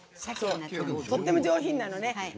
とっても上品なのね。